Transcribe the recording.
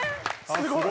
すごい！